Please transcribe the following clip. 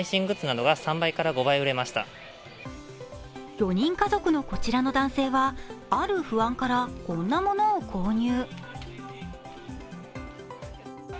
４人家族のこちらの男性は、ある不安からこんなものを購入。